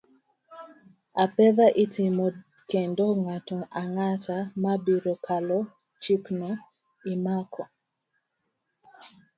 Apedha itimo kendo ng'ato ang'ata mabiro kalo chikno imako.